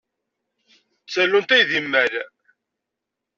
D tallunt ay d imal.